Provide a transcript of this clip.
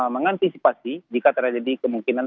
mengantisipasi jika terjadi kemungkinan